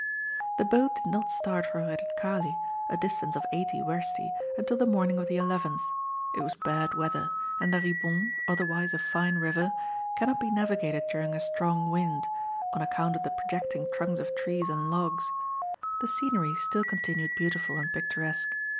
The boat did not start for Redutkale, a distance of eighty wersti, until the morning of the 11th. It was bad weather; and the Ribon, otherwise a fine river, cannot be navigated during a strong wind, on account of the projecting trunks of trees and logs. The scenery still continued beautiful and picturesque.